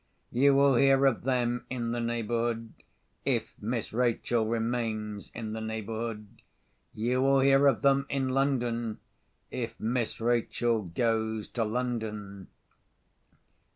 You will hear of them in the neighbourhood, if Miss Rachel remains in the neighbourhood. You will hear of them in London, if Miss Rachel goes to London."